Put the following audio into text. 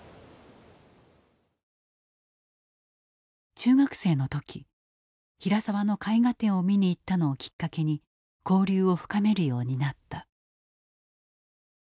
中学生の時平沢の絵画展を見に行ったのをきっかけに交流を深めるようになった。